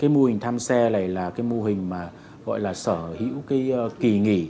mô hình tham xe này là mô hình sở hữu kỳ nghỉ